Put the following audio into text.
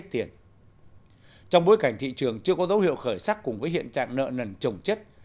trong bối cảnh thị trường chưa có dấu hiệu khởi sắc cùng với hiện trạng nợ nần trồng chất